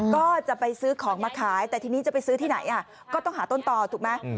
ก็จะไปซื้อของมาขายแต่ทีนี้จะไปซื้อที่ไหนก็ต้องหาต้นต่อถูกไหม